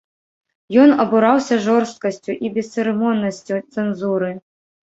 Ён абураўся жорсткасцю і бесцырымоннасцю цэнзуры.